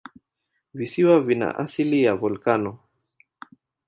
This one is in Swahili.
Visiwa vina asili ya volikano.